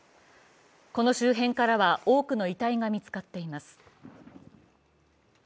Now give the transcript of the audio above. この周辺からは多くの遺体が見つかっています。